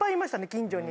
近所に。